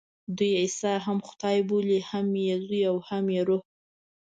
دوی عیسی هم خدای بولي، هم یې زوی او هم یې روح.